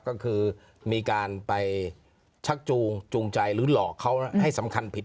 ก็คือมีการไปชักจูงจูงใจหรือหลอกเขาให้สำคัญผิด